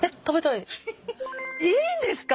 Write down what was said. いいんですか！？